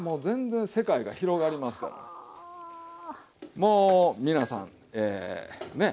もう皆さんえねっ。